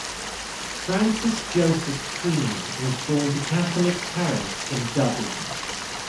Francis Joseph Crean was born to Catholic parents in Dublin.